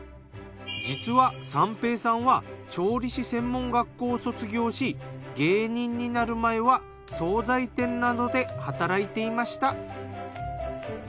実は三瓶さんは調理師専門学校を卒業し芸人になる前は総菜店などで働いていました。